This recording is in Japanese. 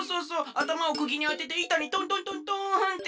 あたまをくぎにあてていたにトントントントンって。